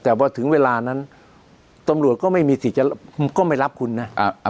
แต่ว่าถึงเวลานั้นตำรวจก็ไม่มีสิทธิ์จะก็ไม่รับคุณนะ